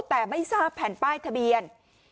แต่ไม่ทราบแผ่นป้ายทะเบียน